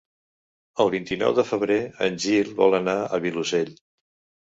El vint-i-nou de febrer en Gil vol anar al Vilosell.